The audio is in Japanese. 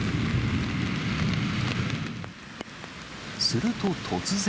すると突然。